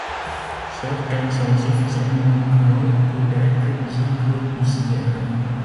Certaines sont suffisamment grandes pour être visibles du ciel.